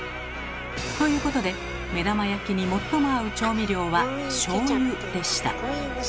ということで目玉焼きに最も合う調味料はしょうゆでした。